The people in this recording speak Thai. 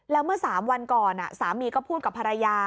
แล้วเมื่อ๓วันก่อนสามีก็พูดกับภรรยา